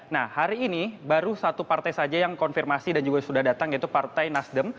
nah hari ini baru satu partai saja yang konfirmasi dan juga sudah datang yaitu partai nasdem